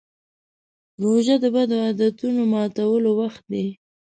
روژه د بدو عادتونو ماتولو وخت دی.